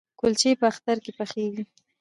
کلچې په اختر کې پخیږي؟